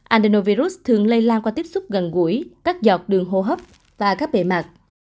andenovirus thường lây lan qua tiếp xúc gần gũi các giọt đường hô hấp và các bề mặt